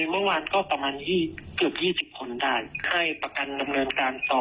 เมื่อวานก็ประมาณเกือบ๒๐คนได้ให้ประกันดำเนินการต่อ